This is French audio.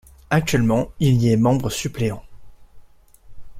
Actuellement il y est membre suppléant.